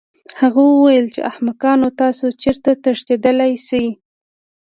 هغه وویل چې احمقانو تاسو چېرته تښتېدلی شئ